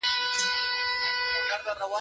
ما چي ول ته به په غره کي يې باره په دښته کي وې